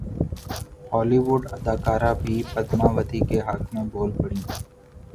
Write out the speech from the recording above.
Holi would اداکارہ بھی پدماوتی کے حق میں بول پڑیں